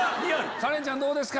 カレンちゃんどうですか？